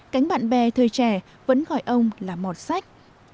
cánh bạn bè thời trẻ vẫn gọi ông là mọt sách